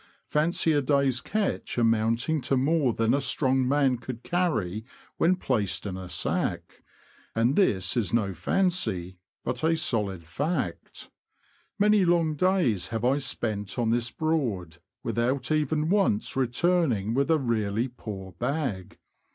Fancy a day's catch amounting to more than a strong man could carry when placed in a sack ; and this is no fancy, but a solid fact. Many long days have I spent on this Broad, without even once returning with a really poor bag.